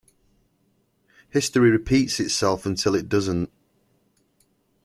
History repeats itself until it doesn't.